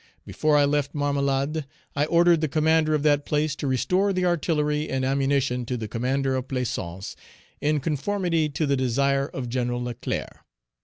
Before I left Marmelade, I ordered Page 314 the commander of that place to restore the artillery and ammunition to the commander of Plaisance, in conformity to the desire of Gen. Leclerc.